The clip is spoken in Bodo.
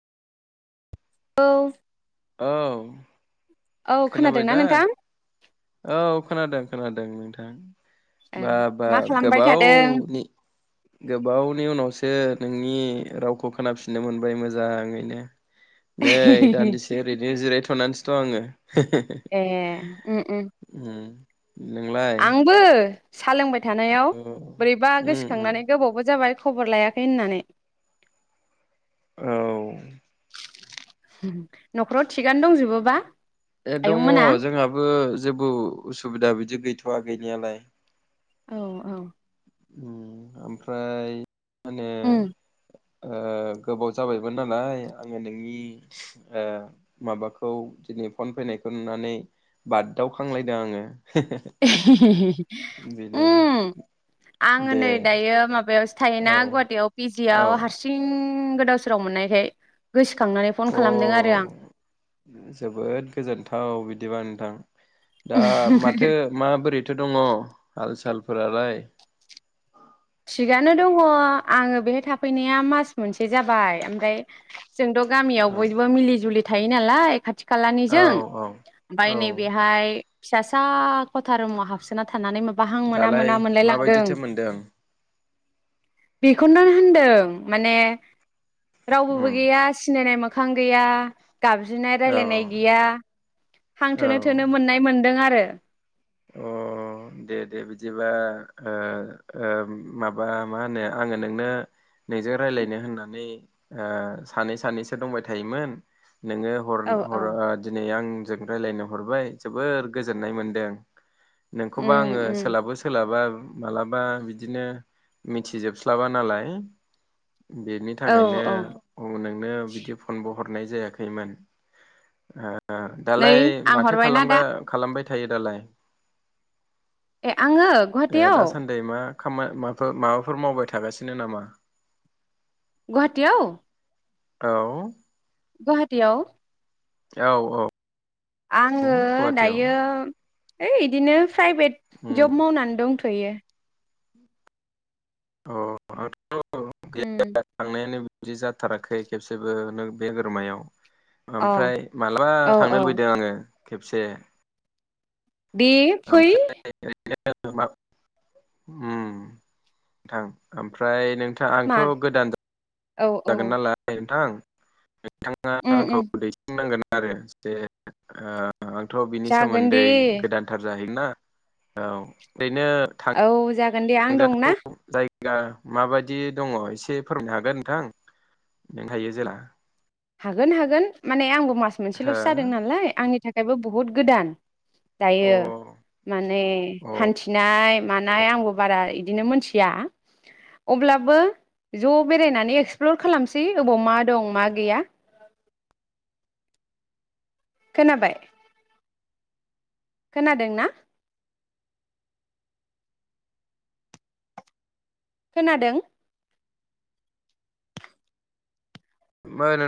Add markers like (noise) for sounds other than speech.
औ औ औ खोनाबाय खोनादोंना दा नोंथां औ खोनादों खोनादों नोंथां औ बा बा मा खालामबाय थादों गोबावनि गोबावनि उनावसो नोंनि रावखौ खोनाफिननो मोनबाय मोजाङैनो नै दान्दिसे ओरैनो जिराय थुनानैसो दं आङो ए ओम ओम ओम आंबो सा लोंबाय थानायाव औ बोरैबा उम उम गोसोखांनानै गोबावबो जाबाय खबर लायाखै होननानै औ न'खराव थिगानो दंजोबोबा ए दङ आयंमोना जोंहाबो जेबो उसुबिदा बि दि गैथ'आ गैनायालाय औ औ ओमफ्राय माने उम ओ गोबाव जाबायमोन नालाय आङो नोंनि ओ माबाखौ दिनै फन फैनायखौ नुनानै बाददावखांलायदों आङो बेनो उम आङो दे नै दायो माब थायोना औ गुवाहाटियाव औ पिजिआव हारसिं उम गोदाव सोराव मोननायखाय गोसोखांनानै फन अ खालामदों आरो आं जोबोद गोजोनथाव बिदिबा थां दा माथो माबोरैथो दङ आर सालफोरालाय थिगानो दङ आङो बेहाय थाफैनाया मास मोनसे जाबाय आमफ्राय जोंथ' गामियाव औ बयबो मिलि जुलि थायो नालाय खाथि औ खालानिजों औ ओमफ्राय औ नैबेहाय फिसासा खथा रुमा हाबसोना था नानै माबा हां मोना दालाय मोना मोनलाय लांदों माबायदिथो मोनदों बेखौनो होनदों माने रावबोबो उम गैया सिनायनाय माख। खां गैया गाबज्रिनाय औ रायलायनाय गैया। हांथोनो औ थोनो मोननाय मोन नंदों आरो। अ दे दे बिदिबा ओ ओ माबा मा होनो आङो नोंनो नोंजों रायलायनो होननानै ओ सानै सानैसो दंबाय थायोमोन नोङो हर औ औ हर दिनै आं जों रायज्लायनो हरबाय जोबोर गोजोननाय मोन्दों। नोंखौबा उम आङो उम सोलाबो सोलाबा मालाबा बिदिनो मिथिजोबस्लाबा नालाय। बेनि औ थाखायनो औ उ नोंनो बिदि फनबो हरनाय जायाखैमोन ओ ओ नै दालाय आं माथो हरबायना दा खालामगा खालामबाय थायो दालाय? ए आङो ए गुवाहाटीयाव? दासान्दि मा खामा माथ' माबाफोर मावबायथागासिनो नामा? गुवाहाटियाव? औ। गुवाहाटीयाव? औ औ। आङो गुवाहाटियाव दायो है इदिनो प्राइभेट उम जब मावनानै दं। थयो। औ। उम। बिदि जाथाराखै खेबसेबो नों बे बोरमायाव। अ ओमफ्राय माला औ थांनो औ लुबैदो आङो। खेबसे। दे फै। ओमफ्राय (unintelligible) उम थां ओमफ्राय था आंथ' मा गोदान औ औ जागोन नालाय नोंथां। नोंथाङा उम आंखौ उम दैसिननांगोन। ओरो (unintelligible) ओ। आंथ' बिनि जागोन दे सोमोन्दै गोदानथार जाहै मेना ओ। ओरैनो थां औ जागोन दे आं दं ना। दा माबायदि दङ एसे फोरमायनो हागोन नोंथां नों थायो जेला हागोन हागोन माने आंबो मास मोनसेल'सो हो जादों नालाय आंनि थाखाय बेबो बहुत गोदान। दायो अ माने हान्थिनाय मानाय आंबो बारा इदिनो मोनथिया अब्लाबो ज' बेरायनानै एक्सप्लर खालामसै अबाव मा दं मा गैया। खोनाबाय? खोनादों ना। खोनादों। मोन।